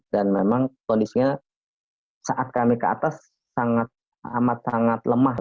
dan memang kondisinya saat kami ke atas sangat amat sangat lemah